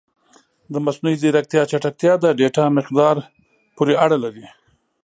د مصنوعي ځیرکتیا چټکتیا د ډیټا مقدار پورې اړه لري.